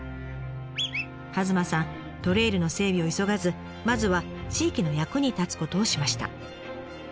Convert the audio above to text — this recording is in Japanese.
弭間さんトレイルの整備を急がずまずは地域の役に立つことをしました。